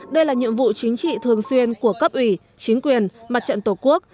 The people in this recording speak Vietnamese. đây là nhiệm vụ chính trị thường xuyên của cấp ủy chính quyền mặt trận tổ quốc